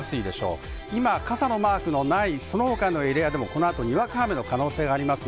傘のマークのないその他のエリアでもこの後、にわか雨の可能性があります。